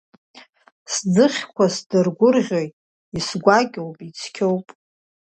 Сӡыхьқәа сдыргәырӷьоит исгәакьоуп, ицқьоуп!